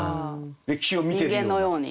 歴史を見てるように。